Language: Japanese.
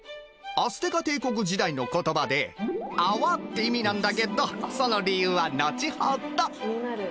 アステカ帝国時代の言葉で「泡」って意味なんだけどその理由はのちほど。